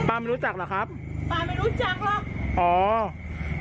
ป้าไม่รู้จักหรอครับป้าไม่รู้จักหรอ